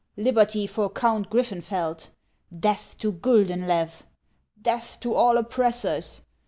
Liberty for Count Griffeufeld !"" Death to Guldenlew !"" Death to all Oppressors